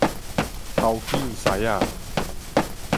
頭桱師仔